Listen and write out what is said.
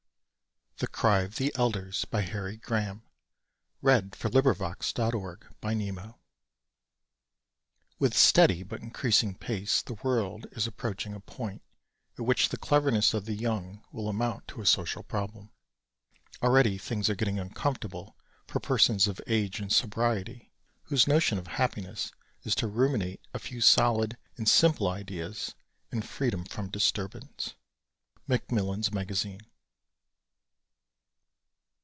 is yearning for the chance of reading Gibbon_" ] The Cry of the Elders [With steady but increasing pace the world is approaching a point at which the cleverness of the young will amount to a social problem. Already things are getting uncomfortable for persons of age and sobriety, whose notion of happiness is to ruminate a few solid and simple ideas in freedom from disturbance. _Macmillan's Magazine.